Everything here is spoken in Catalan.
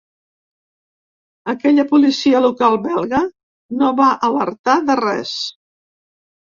Aquella policia local belga no va alertar de res.